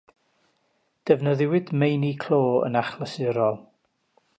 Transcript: Defnyddiwyd meini clo yn achlysurol.